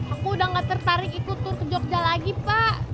aku udah gak tertarik ikut tur ke jogja lagi pak